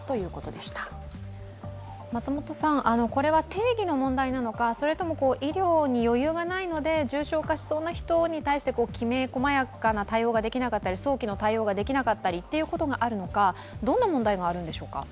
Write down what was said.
定義の問題なのかそれとも医療に余裕がないので重症化しそうな人に対してきめこまやかな対応ができなかったり早期の対応ができなかったりということがあるのか、どんな問題があるんでしょうか？